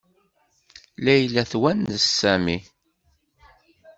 Layla twennes Sami.